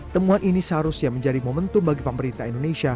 temuan ini seharusnya menjadi momentum bagi pemerintah indonesia